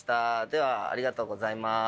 ではありがとうございます。